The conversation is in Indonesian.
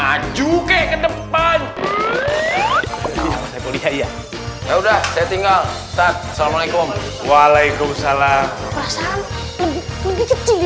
mati maju ke depan ya udah saya tinggal assalamualaikum waalaikumsalam lebih kecil